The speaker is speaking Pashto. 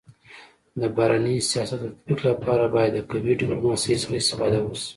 د بهرني سیاست د تطبيق لپاره باید د قوي ډيپلوماسی څخه استفاده وسي.